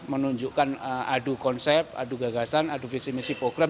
menunjukkan adu konsep adu gagasan adu visi misi program